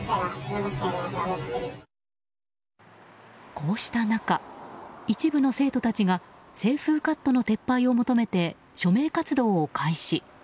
こうした中、一部の生徒たちが清風カットの撤廃を求めて署名活動を開始。